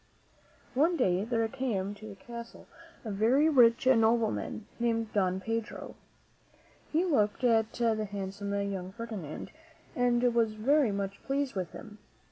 One day there came to the castle a very rich nobleman, named Don Pedro. He looked at the handsome young Ferdinand and was very much pleased with him.